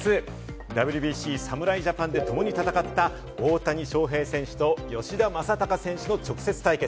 ＷＢＣ侍ジャパンでともに戦った大谷翔平選手と吉田正尚選手の直接対決。